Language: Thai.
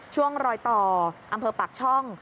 ช่วงรอยต่ออำเภอปากช่อง